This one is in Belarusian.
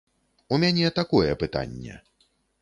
У мяне такое пытанне.